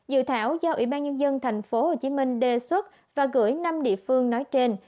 dự thảo do ủy ban nhân dân tp hcm đề xuất và gửi năm địa phương nói trên